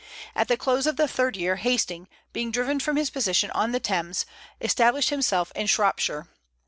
At the close of the third year, Hasting, being driven from his position on the Thames, established himself in Shropshire.